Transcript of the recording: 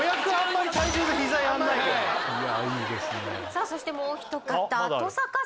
さあそしてもう一方。